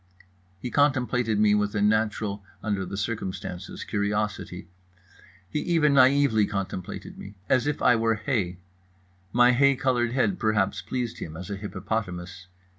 He contemplated me with a natural, under the circumstances, curiosity. He even naively contemplated me. As if I were hay. My hay coloured head perhaps pleased him, as a hippopotamus.